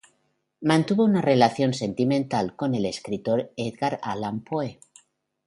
Mantuvo una relación sentimental con el escritor Edgar Allan Poe.